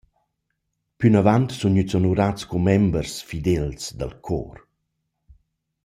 Plünavant sun gnüts onurats commembers fidels dal cor.